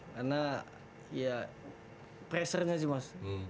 karena ya pressure nya sih mas